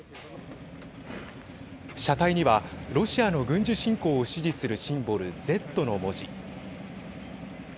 車体にはロシアの軍事侵攻を支持するシンボル、Ｚの文字。